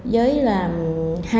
với hai trăm linh lệnh